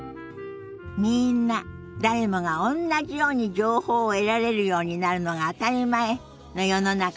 みんな誰もがおんなじように情報を得られるようになるのが当たり前の世の中にならなきゃね。